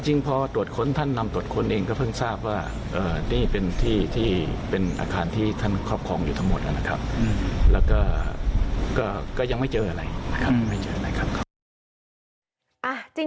จริงพอตรวจค้นท่านนำตรวจค้นเองก็เพิ่งทราบว่านี่เป็นที่ที่เป็นอาคารที่ท่านครอบครองอยู่ทั้งหมดนะครับแล้วก็ยังไม่เจออะไรนะครับไม่เจออะไรครับ